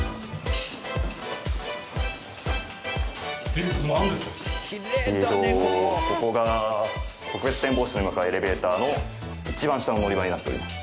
えーとここが特別展望室に向かうエレベーターの一番下の乗り場になっております。